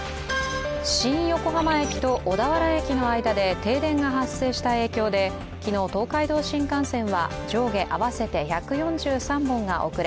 新横浜駅と小田原駅の間で停電が発生した影響で昨日、東海道新幹線は上下合わせて１４３本が遅れ